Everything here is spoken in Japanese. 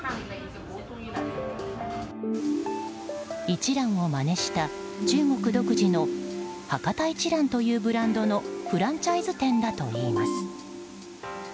一蘭をまねした中国独自の博多一蘭というブランドのフランチャイズ店だといいます。